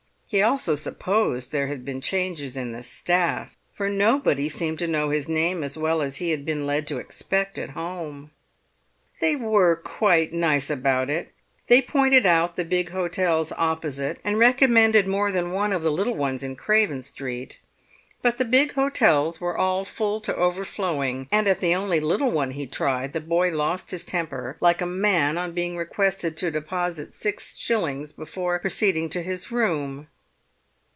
He also supposed there had been changes in the staff, for nobody seemed to know his name as well as he had been led to expect at home. They were quite nice about it. They pointed out the big hotels opposite, and recommended more than one of the little ones in Craven Street. But the big hotels were all full to overflowing; and at the only little one he tried the boy lost his temper like a man on being requested to deposit six shillings before proceeding to his room.